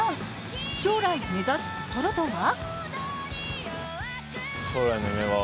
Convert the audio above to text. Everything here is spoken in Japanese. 将来、目指すところとは？